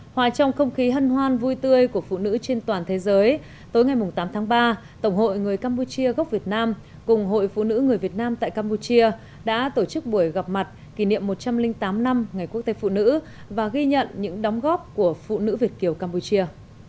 hòa trong không khí hân hoan vui tươi của phụ nữ trên toàn thế giới tối ngày tám tháng ba tổng hội người campuchia gốc việt nam cùng hội phụ nữ người việt nam tại campuchia đã tổ chức buổi gặp mặt kỷ niệm một trăm linh tám năm ngày quốc tế phụ nữ và ghi nhận những đóng góp của phụ nữ việt kiều campuchia